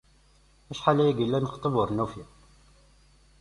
Acḥal ayagi i la nxeṭṭeb ur nufi.